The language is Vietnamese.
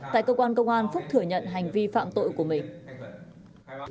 tại cơ quan công an phúc thừa nhận hành vi phạm tội của mình